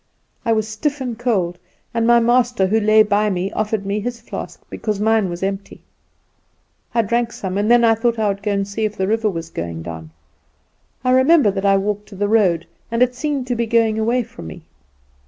I was stiff and cold; and my master, who lay by me, offered me his flask, because mine was empty. I drank some, and then I thought I would go and see if the river was going down. I remember that I walked to the road, and it seemed to be going away from me.